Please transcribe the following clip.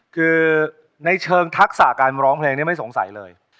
คือในเชิงทักษะการร้องเพลงนี้ไม่สงสัยเลย